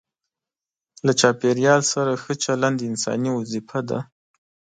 له چاپیریال سره ښه چلند انساني وظیفه ده.